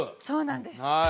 そうなんです